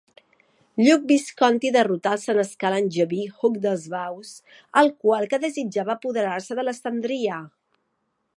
Lluc Visconti derrotà el senescal angeví Hug dels Baus, el qual que desitjava apoderar-se d'Alessandria.